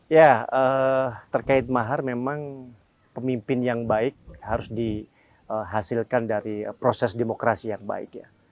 ya terkait mahar memang pemimpin yang baik harus dihasilkan dari proses demokrasi yang baik ya